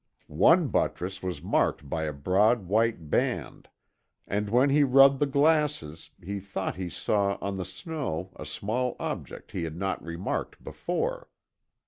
One buttress was marked by a broad white band, and when he rubbed the glasses he thought he saw on the snow a small object he had not remarked before.